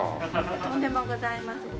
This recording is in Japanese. とんでもございません。